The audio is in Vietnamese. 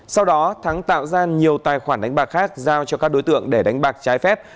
sau đó thắng tạo ra nhiều tài khoản đánh bạc khác giao cho các đối tượng để đánh bạc trái phép